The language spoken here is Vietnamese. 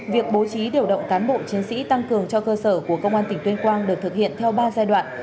việc bố trí điều động cán bộ chiến sĩ tăng cường cho cơ sở của công an tỉnh tuyên quang được thực hiện theo ba giai đoạn